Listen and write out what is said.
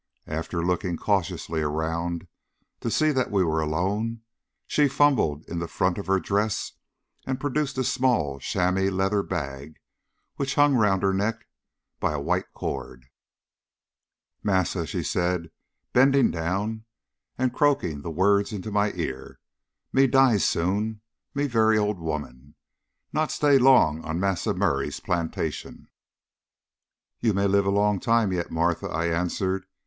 After looking cautiously around to see that we were alone, she fumbled in the front of her dress and produced a small chamois leather bag which was hung round her neck by a white cord. "Massa," she said, bending down and croaking the words into my ear, "me die soon. Me very old woman. Not stay long on Massa Murray's plantation." "You may live a long time yet, Martha," I answered.